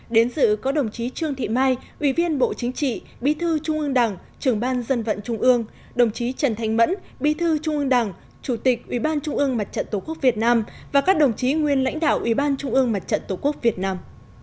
đến dự có đồng chí trương thị mai ủy viên bộ chính trị bí thư trung ương đảng trưởng ban dân vận trung ương đồng chí trần thanh mẫn bí thư trung ương đảng chủ tịch ủy ban trung ương mặt trận tổ quốc việt nam và các đồng chí nguyên lãnh đạo ủy ban trung ương mặt trận tổ quốc việt nam